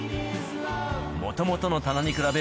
もともとの棚に比べ、